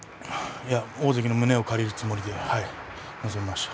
大関の胸を借りる思いでいきました。